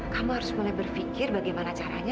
kamu harus mulai berpikir bagaimana caranya